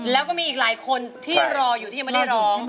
แล้วก็มีอีกหลายคนที่รออยู่ที่ยังไม่ได้ร้อง